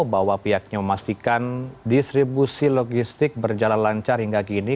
bahwa pihaknya memastikan distribusi logistik berjalan lancar hingga kini